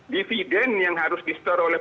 dividen yang harus di store oleh